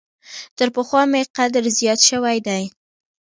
تر پخوا مي قدر زیات شوی دی .